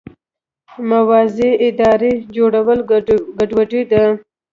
موازي ادارې جوړول ګډوډي ده.